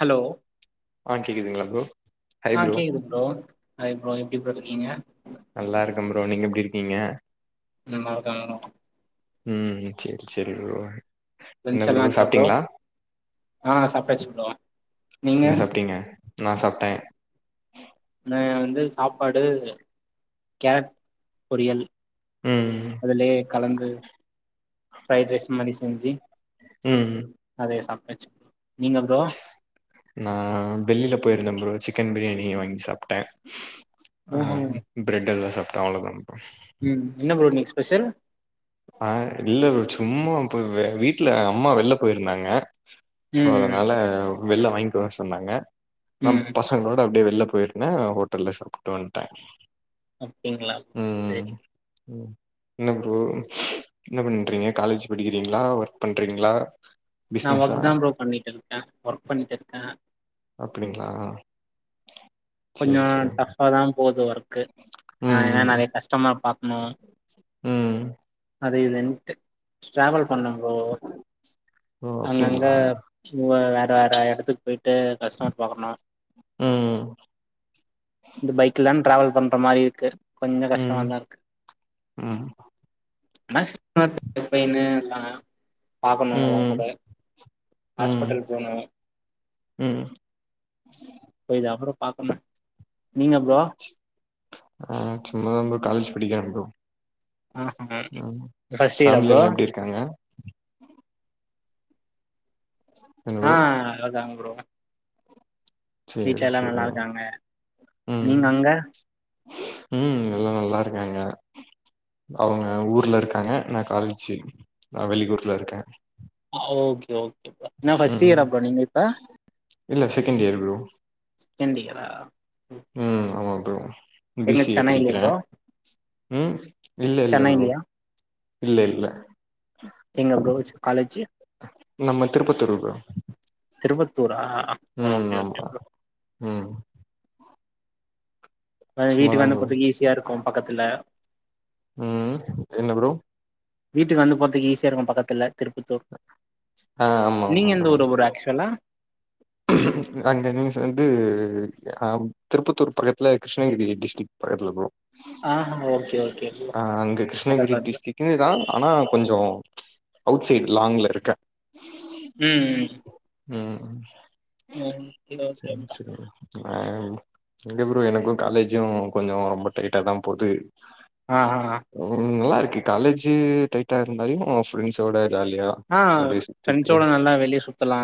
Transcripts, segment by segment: Hello ஆ கேக்குதுங்களா bro ஆ கேக்குது ப ப்ரோ ஹாய் ப்ரோ எப்டி ப்ரோ இருக்கிங்க நல்லாருக்கே ப்ரோ நீங்க எப்படி இருக்கிங்க நல்லாருக்க நானு ம் சேர் சேரி ப்ரோ என்ன லன்ச் எல்லா ப்ரோ ஆச்சா சாப்ட்டிங்ளா ஆ சாப்டாச்சு ப்ரோ நீங்க என்ன சாப்ட்டிங்க நா சாப்ட்ட நா வந்து சாப்பாடு கேட் பொரியல் ம் அதுலயே கலந்து ஃப்ரைட் ரைஸ் மாரி செஞ்சு ம் அதே சாப்டாச்சு நீங்க ப்ரோ நா வெளில போயிருந்தம் ப்ரோ சிக்கன் பிரியாணி வாங்கி சாப்ட்ட ஆ ஓஹோ பிரெட் அல்வா சாப்ட்ட அவ்ளதா ப்ரோ ம் என்ன ப்ரோ இன்னைக் ஸ்பெஷல் ஆ இல்ல ப்ரோ சும்மா பொ வீட்ல அம்மா வெள்ல போயிருந்தாங்க சோ ம் அதனால வெள்ள வாங்கிக்கே சொன்னாங்க நம் ம் பசங் களோட அப்டியே வெள்ல போயிருந்தே ஹோட்டல்ல சாப்ட்டு வண்டோ அப்டிங்களா ம் சரி ம் என்ன ப்ரொ மீன்ஸ் என்ன பண்ணீட்டுறுகீங்க காலேஜ் படிக்கிறீங்ளா ஒர்க் பண்றீங்ளா நா ஒர்க் தா ப்ரோ பண்ணிட்ருக்கே ஒர்க் பண்ணிட்டு இருக்கே அப்டிங்ளா கொஞ்சொ டஃபா தா போது ஒர்க்கு ஆ ம் ஏனா ம் நெறய கஷ்டமர் பாக்ணூ ம் அது இதுன்ட்டு ட்ரவல் பண்ண ப்ரொ ஓ அங்கங்க அப்டிங்களா ம் வேற வேற இடத்துக்கு போயிட்டு கஷ்டமர் பாக்கணூ ம் இந்த பைக்லா தா ட்ரவல் பண்ற மாரி இருக்கு கொஞ்ச ம் கஷ்டமாதா இருக்கு ம் கஸ் மர் கம்பலைன் எல்லா பாக்கணூ அதெல்லா ம் கூட ம் ஹாஸ்பிட்டல் போனோ ம் போய்தா ப்ரோ பாக்கனே நீங்க ப்ரொ ஆ சும்மா தா ப்ரோ நா காலேஜ் படிக்கிறோ ப்ரொ ஆஹா ம் ஃபர்ஸ்ட் இயரா ஃபேமிலி ப்ரோ எல்லா எப்டி இருக்காங்க என்ன ஆ ப்ரோ அதான்ங்க ப்ரொ செரி நல்லா செரிங் இருக்காங்க ம் நீங்க அங்க ம் எல்லா நல்லா இருக்காங்க அவுங்க ஊர்ல இருக்காங்க நா காலேஜி நா வெளி ஊர்ல இருக்கோ ஆ ஓகே ஓகே நா ஃபஸ்ட் இயரா அப்ப நீங்க ‌இப்ப இல்ல செகண்ட் இயர் ப்ரொ செகண்ட் இயரா ம் ஆமா ப்ரொ பி எங்க சி ஏ சென்னைலயா படிக்கிறோ ப்ரோ ம் இல்ல இல்ல ப்ரொ சென்னைலயா இல்ல இல்ல எங்க ப்ரோஜ் காலேஜி நம்ம திரூப்பத்தூர் ப்ரோ திருப்பத்தூர ம் ஆமா ம் நா சும்மாதா வீட்டுக்கு வந்து ப்ரோ போறத்துக்கு ஈஸியா இருக்கூ பக்கத்துல ம் என்ன ப்ரொ வீட்டுக்கு வந்துட்டு போறதுக்கு ஈஸியா இருக்கூ பக்கத்துல திருப்பத்தூர் ஆ ஆமா ஆமா நீங்க எந்த ஊரு ப்ரோ ஆக்சுவலா நாங்க இங்க சென்ட்டு அ ஆம் திருப்பத்தூர் பக்கத்துல கிருஷ்ணகிரி டிஸ்ட்ரிக்ட் பக்கத்துல ப்ரோ ஆ ஓகே ஓகே ப்ரோ. ஆ அங்க பக்கத்துல கிருஷ்ணகிரி பக்கத்துல. டிஸ்ட்ரிக்ட் கிதா ஆனா கொஞ்சொ அவுட் சைட் லாங்க்ல இருக்கே ம் ஹூம் ஹூம் ஓகே ஓகே செரிங் ப்ரோ. செரிங் ஆ எங்க ப்ரோ எனக்கூ காலேஜு கொஞ்சொ ரொம்ப டைட்டா தா போது ஆ ஆ உ நல்லா இருக்கு காலேஜ் டைட்டா இருந்தாலூ ஃப்ரெண்ட்ஸோட ஜாலியா ஆ அப்டியே சுத்திட்டு ஃரெண்ட்ஸோட நல்லா வெளிய சுத்தலா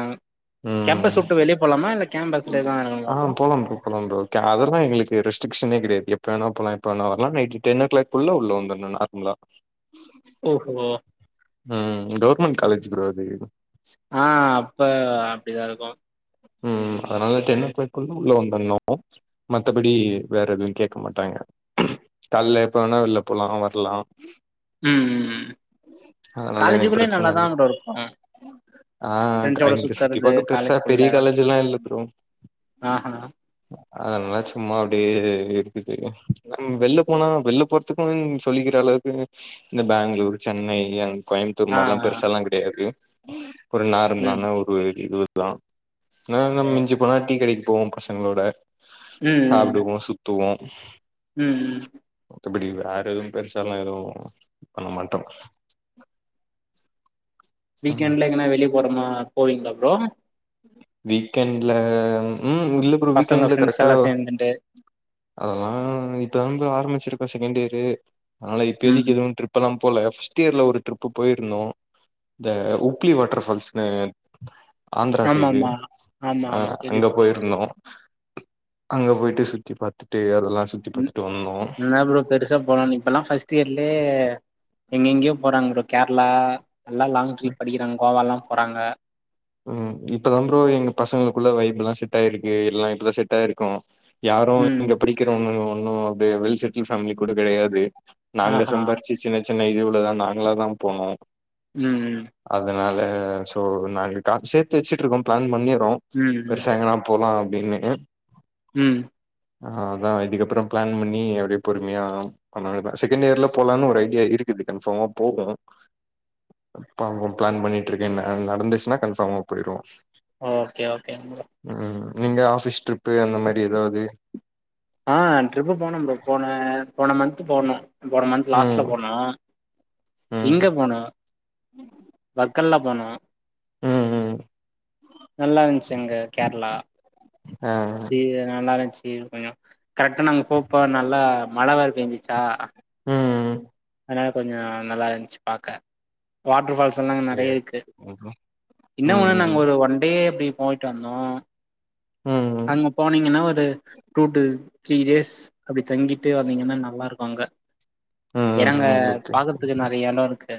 ம் கேம்பஸ் வுட்டு வெளிய போலாமா இல்ல கேம்பஸ்லே தா அ ப்ரோ [unintelligible] அதெல்லா எங்களுக்கு ரெஸ்ட்டிக்ஷனே கிடயாது எப்ப வேண போலா ‌எப்ப வேண வரலா நைட் டென் ஓ கிளாக்க்குள்ள உள்ள வந்துர்ணூ நார்மலா [unintelligible] [unintelligible] ம் கவுர்மெண்ட் காலேஜ் ப்ரோ அது ஆ அப்ப அப்டிதா இருக்கு ம் அதனாலா டென் ஓ க்ளாக்குள்ள உள்ள வந்தர்ணு மத்தபடி வேற எதுவு கேக்க மாட்டாங்க கால்ல எப்ப வேணா வெள்ல போலா வர்லா ம் ம் அதனால எனக்கு காலேஜுக்குள்ளே பிரச்சன இல்ல நல்லாதான் ப்ரோ இருக்கும் ஆ ஃபிரண்ட்ஸ்ஸோட சுத்துறது காலேஜ்க்குள்ள காலேஜிலா இல்ல ப்ரோ அதல்லா சும்மா அப்டியே இருக்குது நம் வெள்ல போனா வெள்ல போறத்துக்கும் சொல்லிக்கிற அளவுக்கும் இந்த பேங்ளூர் சென்னை அங் கோயம்புத் தூர் ஆ ஆ மார்லா பெருசால்லா கெடையாது ஒரு ம் நார்மலான ஒரு இதுதா ன்னோனு ஓ. மிஞ்சு போனா டீ கடைக்கு போவோம் பசங்களோட ம் ம் சாப்டுவோம் சுத்துவோம் ம் ம் மித்தபடி வேற எதுவும் பெருசாலா எதுவும் பண்ண மாட்டோம் ம் வீக்கெண்ட்ல எங்கனா வெளியே போறமா போவீங்ளா ப்ரோ வீக்கெண்ட்ல ம் இல்ல ப்ரோ பசங்க வீக்கெண்ட்ல ஃப்ரெண்ட்ஸ் கரெக்டா எல்லா சேந்துட்டு அதெல்லா இப்பதா ப்ரோ ஆரம்பிச்சிருக்கே செகண்ட் இயரு அதனால ம் இப்பேதைக்கு எதுவு ட்ரிப் ப்பெல்லா போல ஃபர்ஸ்ட் இயர்ல ஒரு ட்ரிப்பு போயிருந்தோ இந்த உப்ளி வாட்டர் ஃபால்ஸ்னு ஆந்திரா ஆமா சைடு ஆமா ஆமா அ ஆமா அங்க கேள்விப்பட்டிருக்கே போயிருந்தோ அங்க போயிட்டு சுத்தி பாத்துட்டு அதெல்லா சுத்தி ம் பாத்துட்டு வந்தோ என்ன ப்ரோ பெருசா போலாமே இப்பல்லா ஃபர்ஸ்ட் இயர்லே எங்கெங்கேயோ போறாங்க ப்ரோ கேரளா நல்லா லாங் ட்ரிப் அடிக்கிறாங்க கோவால்லா போறாங்க ம் இப்பதாம் ப்ரோ எங்க பசங்களுக்குள்ள வைப் எல்லா செட்டாயிருக்கு எல்லா இப்பதா செட்டாயிருக்கோ யாரும் ம் இங்க பிடிக்கிற ஒன்னு ஒன்னு அப்டியே வெல் செட்டில் ஃபேமிலி கூட கெடையாது நாங்க ஆஹா சம்பாரிச்சு சின்ன சின்ன இதுவுலதா நாங்களாதா போனோ ம் ம் அதனால சோ நாங்க காசு சேர்த்து வச்சிட்டுருக்கோம் பிளான் பண்ணிறோ ம் பெருசா எங்கன்னா போலா அப்டின்னு ம் அ அதா இதுக்கப்பறோ பிளான் பண்ணி அப்டியே பொறுமையா கொந்நாள்லே செகண்ட் இயர்ல போலானு ஒரு ஐடியா இருக்கு குது கன்ஃபார்மா போகும் இப்ப அவ்ங்க பிளான் பண்ணிட்டு இருக்கேன் அது நடந்துச்சுன்னா கன்ஃபார்மா பொயிருவோ ஓகே ஓகேங் ப்ரோ ம் நீங்க ஆஃபிஸ் ட்ரிப்பு அந்த மாரி எதாவ்து ஆ ட்ரிப்பு போனம் ப்ரோ போன போன மந்த்து போனோ போன மந்த் லாஸ்ட்ல ம் போனோம் ம் இங்க போனம் வர் க்கல்லா போனோ ம் ம் ம் நல்லாருந்துச்சு அங்க கேரளா ஆ சீ நல்லாருந்துச்சு கொஞ்சொ கரெக்ட்டா நாங்க போப்போ நல்லா மழ வேற பேஞ்சுச்சா ம் ம் அதனால கொஞ்சொ நல்லா இருந்துச்சு பாக்க வாட்ரு ஃபால்ஸ் ஸெல்லா அங்க நெறைய சேரி இருக்கு ம் என்ன ஒன்னு நாங்க ம் ஒரு ஒன் டே அப்டி போயிட்டு வந்தோ ம் அங்க போனீங்கன்னா ஒரு டூ டு த்ரீ டேஸ் அப்டி தங்கிட்டு வந்தீங்கன்னா நல்லாருக்கும் அங்க ம் எனங்க ம் ஓகே பாக்குறதுக்கு நறைய இடோம் இருக்கு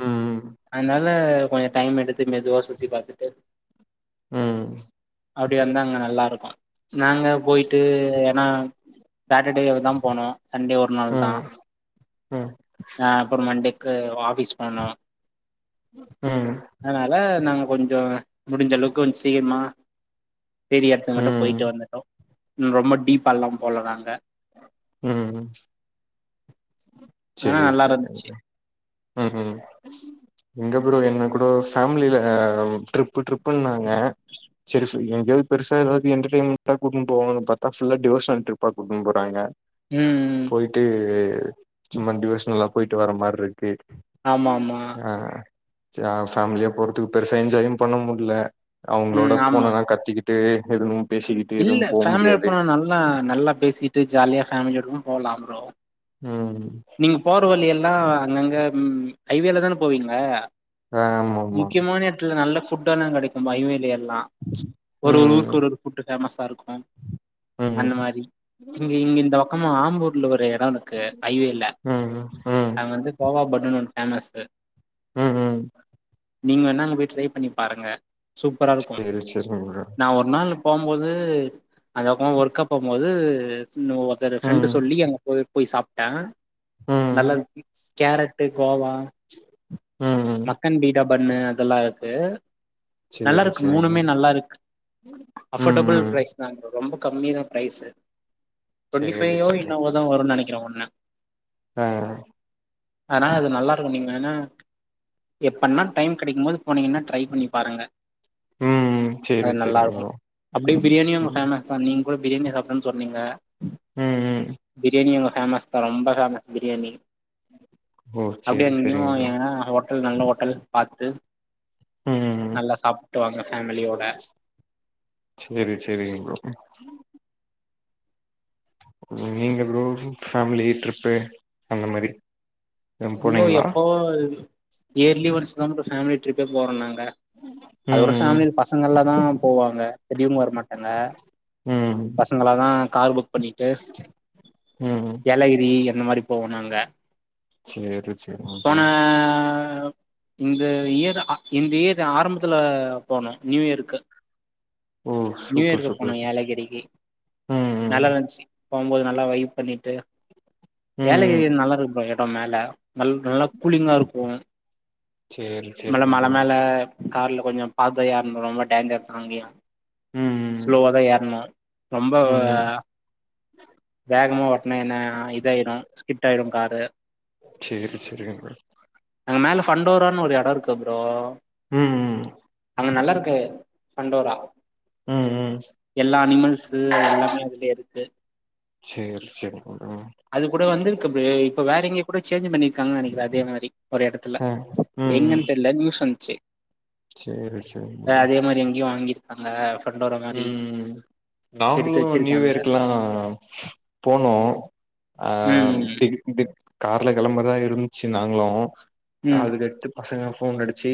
ம் அதனால கொஞ்சோம் டைம் எடுத்து மெதுவாக சுத்தி பாத்துட்டு ம் அப்டி வந்தா அங்க நல்லா இருக்கும் நாங்க போயிட்டு ஏன்னா சாட்டர்டேவே தான் போனோம் சண்டே ஒரு நாள் தான் ம் அ அப்புறோம் மண்டேக்கு ஆபீஸ் போணோம் ம் அதனால நாங்க கொஞ்சோம் முடிஞ்ச அளவுக்கு கொஞ்சோம் சீக்ரமா பெரிய எடத்துங்கு மட்டும் ம் போயிட்டு வந்துட்டோம் ரொம்ப டீப்பா எல்லாம் போல நாங்க ம் ஆனா சேரி நல்லா சேரி இருந்துச்சு ம் ம் இங்க ஃப்ரோ என்ன கூட ஃபேமிலில ட்ரிப்பு டரிப் ப்புனாங்க சேரி சேரி எங்கயாது பெருசா ஏதாவது என்டர்டெய்மெண்டா கூட்டினு போவாங்க பாத்தா ஃபுல்லா டிவோஸன் ட்ரிப்பா கூப்டுனு போற ம் ம் போயிட்டு சும்மா டிவசனல்லா போயிட்டு வர மாரி இருக்கு ஆமா ஆமா ஆ ஃபேமிலியா போறதுக்கு பெருசா என்ஜாயும் பண்ண முடில அவுங்களோட ம் ஆமா போனல்லாம் கத்திக்கிட்டு எதுவும் பேசிக்கிட்டு எதுவும் போ முடியாது எல்லாம் நல்லா பேசிட்டு ஜாலியா ஃபேமிலியோட போகலாம் ப்ரோ ம் நீங்க போற வழி எல்லாம் அங்கங்க ஹைவேல தான போவீங்க ஆமா ஆமா முக்கியமான இடத்துல நல்ல ஃபுட்ட எல்லாம் கடைக்கும் பைவேல எல்லாம் ஒரு ஒரு ஊருக்கு ம் ஒரு ஒரு ஃபுட்டு ஃபேமஸா இருக்கும் ம் அந்த மாரி இங்க இங்க இந்த பக்கமா ஆம்பூர்ல ஒரு இடம் இருக்கு ஐவேல ம் ம் அங்க வந்து கோவா பன்னுன் ஒன்னு ஃபேமஸ்சு ம் ம் நீங்க வேனா அங்க போய் ட்ரை பண்ணி பாருங்க சூப்பரா இருக்கும் சேரி சேரிங்க ப்ரோ நா ஒரு நாள் போ‌ மோது அந்த பக்கமா ஒர்க்கா போ மோது சின்ன ஒருத்தர்ரு ஃப்ரெண்டு ம் சொல்லி அங்க போய் போய் சாப்ட்டன் ம் நல்லா இரு கரட்டு் கோவா ம் மக்கன் பீடா பண்ணு அதெல்லா இருக்கு நல்லா சேரி இருக்கு சேரிங்க மூணுமே நல்லா இருக்கு ம் அஃபோர்டபிள் ம் பிரைஸ் தான்ங்க ரொம்ப கம்மி தான் பிரைஸ்சு டுவெண்டி சேரி ஃபையோ சேரி இன்னவோ தான் வரும்னு நனைக்கிறன் ஒன்னு அ அதனால அது நல்லாருக்கும் நீங்க வேன்னா எப்பனா டைம் கடைக்கும்மோது போனீங்கன்னா ட்ரை பண்ணி பாருங்க ம் ம் அது சேரி நல்லா சேரிங்க இருக்கும் அப்டியே பிரியாணியோம் ப்ரோ அங்க ம் பேமஸ் சோ நீங்க கூட பிரியாணி சாப்டன்னு சொன்னீங்க ம் ம் பிரியாணி அங்க ஃபேமஸ் தா ரொம்ப பிரியாணி ஓ அப்டி சேரி அங்கயும் சேரிங்க ப்ரோ எதனா ஹோட்டல் ஹோட்டல் நல்ல ஹோட்டல் பாத்து ம் ம் ம் நல்லா சாப்ட்டு வாங்க ஃபேமிலியோட சேரி சேரிங்க ப்ரோ நீங்க ப்ரோ ஃபேமிலி ட்ரிப்பு அந்த மாரி எதும் இங்கோ போனீங்களா எப்பவோ இயர்லி ஒன்ஸ் தான் ப்ரோ ஃபேமிலி ட்ரிப்பே போறோம் நாங் க அதுவும் ம் ம் ஃபேமிலில பசங்கள்லா தான் போவாங்க பெரியோங்க வர மாட்ட டாங்க ம் பசங்களா தான் கார் புக் புக் பண்ணிட்டு ம் ஏலகிரி அந்த மாரி போவோம் நாங்க சேரி செர்ராங்க்கா போன இந்த இயர் இந்த இயர் ஆரம்பத்துல போனோம் நியூயருக்கு ஓ சூப்பர் நியூயர்கு சூப்பர் போனும் யேலகிரிக்கு ம் ம் நல்லா இருந்துச்சு போம்போது நல்லா வைப் பண்ணிட்டு ம் ம் யேலக்குறி நல்லா இருக்கு ப்ரோ மேல நல் நல்ல கூலிங்கா இருக்கும் சேரி மேல சேரிங்க மழ ப்ரோ மேல கார்ல கொஞ்சோம் பாதயாருன்ன ரொம்ப டேஞ்சர் இரு அங்கயா ம் ம் ஸ்லோவாதா ஏர்ணும் ரொம்ப ம் ம் வேகமா ஓட்னா என்ன இதாயிடும் ஸ்கிப்ட் ஆயிடும் காரு சேரி சரி அங்க மேல ஃண்டோரான் ஒரு எடம் இருக்கு ப்ரோ ம் ங்க நல்லா இருக்கு ஃபண்டோரா ம் ம் எல்லா அனிமல்ஸு அது எல்லாமே அதுலேருக்கு சேரி சேரிங்க ப்ரோ அது கூட வந்துருக்குப்பே இப்ப வேற எங்யோ கொட சேஞ்ச பண்ணிருக்காங்க நனைக்கிற அதே மாரி ஒரு எடத்துல ஆ ம் ம் எங்கன் தெர்ல நியூஸ் வந்ச்சு சேரி சேரிங்க அ ப்ரோ அதே மாரி எங்யோ வாங்கிருக்காங்க ஃபண்டோரா மாரி ம் எடுத்து நாங்களும் வச்சிருக்காங்க நியூயர்கெல்லா போனோம் ம் இப்டி கார்ல கெளம்புர்தா இருந்துச்சு நாங்களும் ம் அதுக்கடுத்து பசங்க ஃபோன் அடிச்சு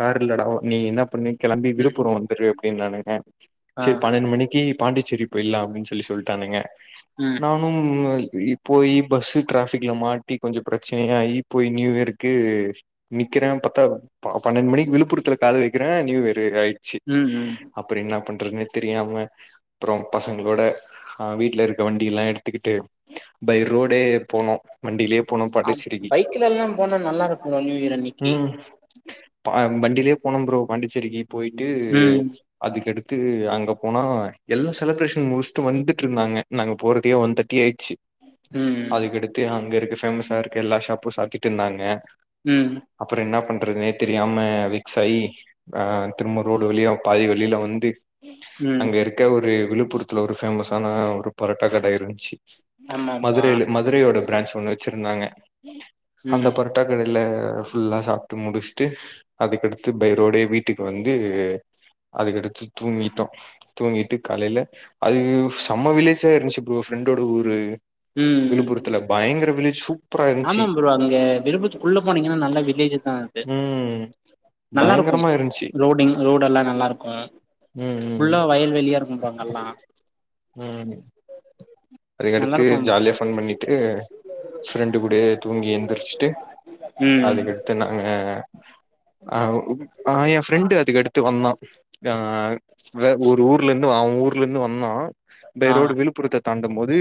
கார்ல்லடா நீ என்ன பண்ணு கெளம்பி ம் ம் விழுப்புரம் வந்துரு அப்டின்னானுங்க ஆ சேர் பன்னெண்டு மணிக்கு பாண்டிச்சேரி போய்லாம் அப்டின் சொல்லி சொல்லிட்டானுங்க நா ம் போய் பஸ்ஸு டிராஃபிக்ல மாட்டி கொஞ்ச பிரச்சனையாயி போய் நியூயர்க்கு நிக்கிறேன் பத்தா பன்னெண்டு மணிக்கு விழுப்புரத்துல கால வெக்கிறேன் நீயூயர்ரு ம் ம் அப்புறோ என்ன பண்றதுனு தெரியாம அப்புறோ பசங்களோட ஆ வீட்ல இருக்க வண்டி எல்லா எடுத்துக்கிட்டு பைரோடே போனோ வண்டியிலே போனோ ஆ பாண்டிச்செரிக்கு பைக்ல எல்லா போனா நல்லா இருக்குங்க நியூ இயர் அன்னைக்கு உம் பா வண்டியிலே போனோம் ப்ரோ பாண்டிச்சேரிக்கு போயிட்டு ம் அதுக்கடுத் த்து அங்க போனா எல்லா செலப்ரேஷன் முஸ்ட்டு வந்ட்ருந்தாங்க நாங்க போறக்கே ஒன் தேர்ட்டி ஆயிட்ச்சு ம் அதுக்கடுத்து அங்கருக்க பேஃமஸா இருக்க எல்லா ஷாப்பும் சாத்திட்ருந்தாங்க ம் அப்புற என்ன பண்றதுனே தெரியாம விக்சாயி அ திரும்ப ரோடு வழியா பாதி வழியில வந்து ம் அங்க இருக்க ஒரு விழுப்புரத்துல ஒரு பேஃபேமஸான ஒரு பொறட்டா கட இருந்ச்சு ஆமா ஆமா மதுரையில மதுரையோட பிரான்ச் ஒண்ணு வச்சிருந்தாங்க அந்த ம் பொற ட்டரனெல்ல ஃபுல்லா சாப்ட்டு முடிச்ட்டு அதுக்கடுத்து பைரோடே வீட்டுக்கு வந்து அதுக்கடுத்து தூங்கிட்டோம் தூங்கிட்டு காலேல அது செம்ம வில்லேஜா இருந்ச்சு ப்ரோ ஃப்ரெண்டோட ஊரு விழுபரத்துல பயங்கர வில்லேஜ் சூப் ஆமாாம் ப்ரோ அங்க விரும்பத்துக்குள்ள போனீங்கன்னா நல்ல வில்லேஜ் தாருக்கு ம் நல்லாருக்கும் பயங்கரமா இருந்துச்சு ரோடிங் ரோடெல்லா நல்லாருக்கும் ம் ஃபுல்லா வயல் வெளியா இருக்கும் பாங் ம் நல்லா அதுகடுத்து இருக்கு ஜாலியா ஃபன் பண்ணிட்டு ஃப்ரெண் டுபுடியே தூங்கி எந்திரிச்சுட்டு ம் அது கட் நாங்க எ ப்ரெண்டு அதுக்கடுத் த்து வந்தா வே ஒரு ஊர்ல இருந்து அவ ஊர்ல இருந்து வந்தா பை ஆ ரோடு வீல் புருத்து தாண்டும் பேது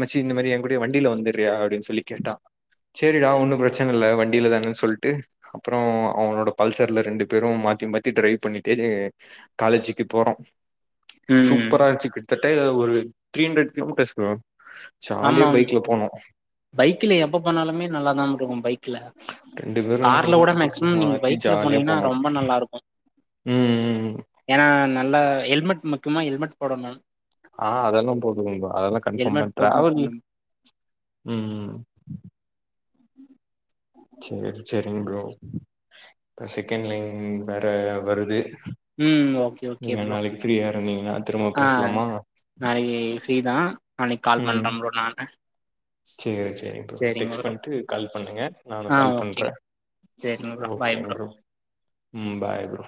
மச்சி இந்த மாரி என்ங் கூடையே வண்டியில வந்துரியா அப்டின் சொல்லி கேட்டா செரிடா ஒன்னு ம் ப்ரச்சன இல்ல வண்டியில தானனு சொல்ட்டு அப்றோ அவனோட பல்சர்ல ரெண்டு பேரு மாத்தி மாத்தி டிரைவ் பண்ணிட்டே காலேஜிக்கி போறோ ம் சூப்பரா இருந்ச்சு கிட்த்தட்ட ஒரு த்ரீ ஹண்ட்ரட் கிலோமீட்டர்ஸ் ப்ரோ ஆமாம் பைக்ல எப்ப போனாலுமே நல்லாதாம் இருக்கு பைக் க்ல ரெண்டு பேரு கார்ல கூட ஹெல்மெட் போட்டு மேக்சிமம் நீங்க மாத்தி பைக்ல ஜாலியா போனீங்கன்னா போனோ ரொம்ப நல்லா இருக்கோ ம் ம் ம் ஏனா நல்லா எல்மெட் முக்கிய்மா எல்மெட் போடணு ஆ அதெல்லா போடுவபா அதெல்லா கன்ஃபார்ம்மா ஹெல்மெட் போட்னு டிராவல் போனு ம் செர் செரிங்க ப்ரோ இப்ப செகண்ட் லைன் வேற வருது ம் ஓகே ஓகே நீங்க ப்ரோ. நாளைக்கி ஃப்ரீயா இருந்தீங்ன்னா திரும்ப பேசலாமா நாளைக்கி ஃபிரீதா நாளைக் கால் பண்றே ப்ரோ நானு சேர் செரி ப்ரோ சரிங்க டெக்ஸ்ட் ப்ரோ. பண்ணிட்டு கால் பண்ணுங்க நானு கால் பண்றே எட்நூர்வா பாய் ப்ரோ ம் பாய் ப்ரோ